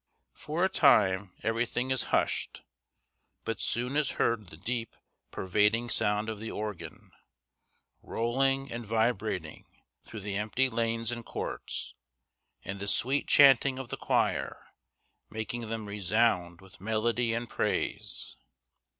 For a time everything is hushed, but soon is heard the deep, pervading sound of the organ, rolling and vibrating through the empty lanes and courts, and the sweet chanting of the choir making them resound with melody and praise.